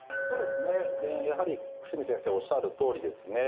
やはり久住先生がおっしゃるとおりですね